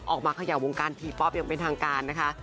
ออกมาเขย่าวงการทีป๊อปยังเป็นทางการนะคะ